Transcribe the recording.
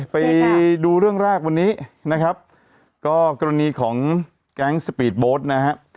ไปดูเรื่องแรกวันนี้นะครับก็กรณีของแก๊งสปีดโบสต์นะฮะ